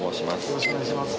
よろしくお願いします